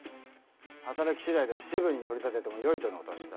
働き次第では士分に取り立ててもよいとのお達しだ。